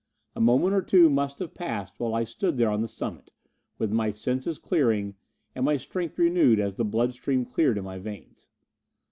A moment or two must have passed while I stood there on the summit, with my senses clearing and my strength renewed as the blood stream cleared in my veins.